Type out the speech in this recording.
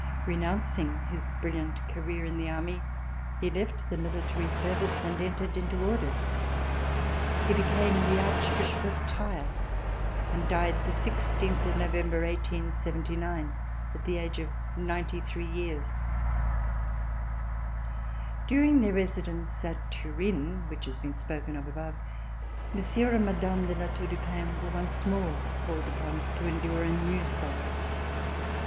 Re nouncing his brilliant career in the army, he left the military service and entered into orders. He became Archbishop of Tyr, and died the sixteenth of No vember, 1879, at the age of ninety three years. C414] POSTSCRIPT During their residence at Turin, which has been spoken of above, Monsieur and Madame de La Tour du Pin were once more called upon to endure a new sorrow.